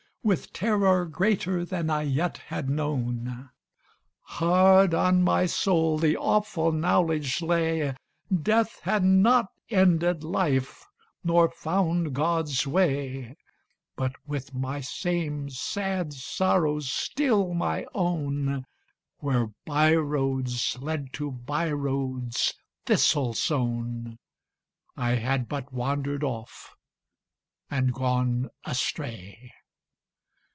With terror greater than I yet had known. Hard on my soul the awful knowledge lay, Death had not ended life nor found God's way; But, with my same sad sorrows still my own, Where by roads led to by roads, thistle sown, I had but wandered off and gone astray.